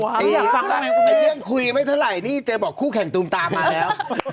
คุณแม่คุยมากไว้เท่าไรเนี่ยเจ๊บอกคู่แข่งตูมตามาแล้ว